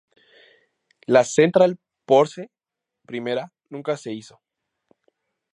La central Porce I nunca se hizo.